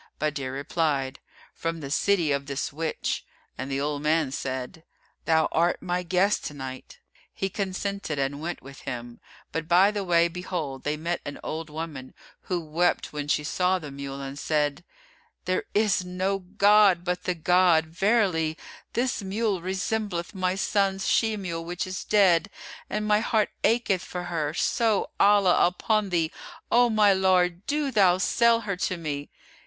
Badr replied, "From the city of this witch"; and the old man said, "Thou art my guest to night." He consented and went with him; but by the way behold, they met an old woman, who wept when she saw the mule, and said, "There is no god but the God! Verily, this mule resembleth my son's she mule, which is dead, and my heart acheth for her; so, Allah upon thee, O my lord, do thou sell her to me!"